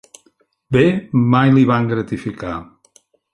Bé, mai li van gratificar.